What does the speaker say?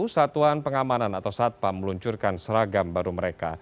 satuan pengamanan atau satpam meluncurkan seragam baru mereka